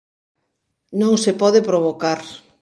Non se pode provocar.